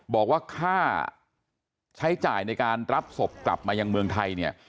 บอกว่าค่าใช้จ่ายในการรับศพกลับมายังเมืองไทยเนี่ย